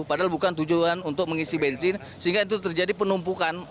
padahal bukan tujuan untuk mengisi bensin sehingga itu terjadi penumpukan